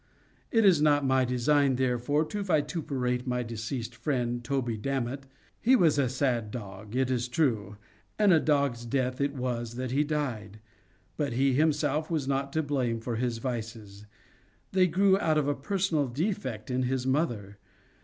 It is not my design, therefore, to vituperate my deceased friend, Toby Dammit. He was a sad dog, it is true, and a dog's death it was that he died; but he himself was not to blame for his vices. They grew out of a personal defect in his mother.